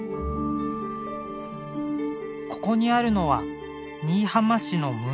ここにあるのは新居浜市の無縁遺骨。